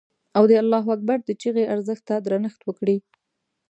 او د الله اکبر د چیغې ارزښت ته درنښت وکړي.